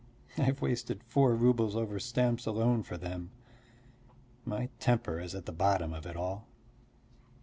I have wasted four roubles over stamps alone for them. My temper is at the bottom of it all.